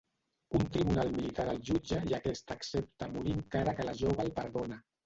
Un tribunal militar el jutja i aquest accepta morir encara que la jove el perdona.